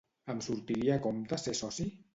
Em sortiria a compte ser soci?